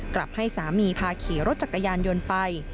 กลับให้สามีพาขี่รถจักรยานยนต์ไป